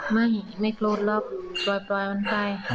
ไม่ไม่โกรธแล้วปล่อยมันไป